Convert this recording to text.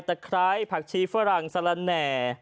ไคร้ผักชีฝรั่งสละแหน่